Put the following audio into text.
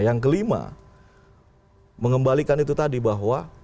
yang kelima mengembalikan itu tadi bahwa